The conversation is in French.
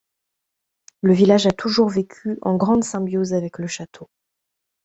Le village a toujours vécu en grande symbiose avec le château.